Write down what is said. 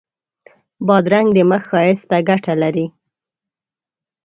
بادرنګ د مخ ښایست ته ګټه لري.